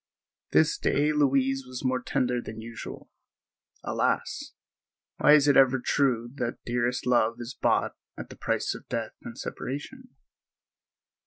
This day Louise was more tender than usual. Alas! why is it ever true that dearest love is bought at the price of death and separation?